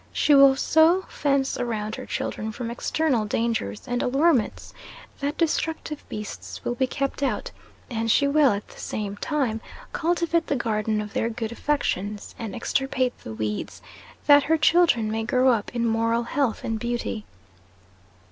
She will so fence around her children from external dangers and allurements, that destructive beasts will be kept out; and she will, at the same time cultivate the garden of their good affections, and extirpate the weeds, that her children may grow up in moral health and beauty.